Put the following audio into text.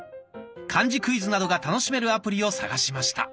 漢字クイズなどが楽しめるアプリを探しました。